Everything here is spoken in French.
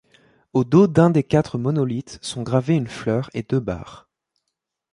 Au dos d'un des quatre monolithes sont gravés une fleur et deux barres.